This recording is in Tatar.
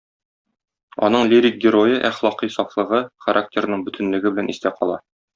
Аның лирик герое әхлакый сафлыгы, характерының бөтенлеге белән истә кала.